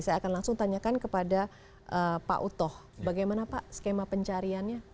saya akan langsung tanyakan kepada pak utoh bagaimana pak skema pencariannya